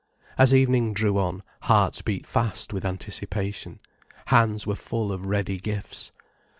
As evening drew on, hearts beat fast with anticipation, hands were full of ready gifts.